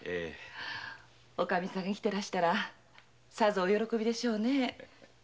おかみさん生きてたらさぞお喜びでしょうねぇ。